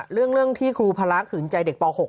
เรื่องที่ครูพระขืนใจเด็กป๖